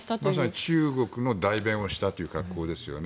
まさに中国の代弁をしたという格好ですね。